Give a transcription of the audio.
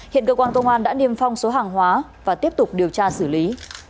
hiện cơ quan công an đã niêm phong số hàng hóa và tiếp tục điều tra xử lý